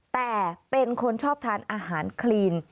แต่เป็นคนชอบทานอาหารคลีน